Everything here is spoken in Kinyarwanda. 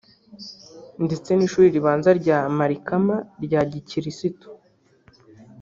ndetse n’ishuri ribanza rya Malikama rya gikirisitu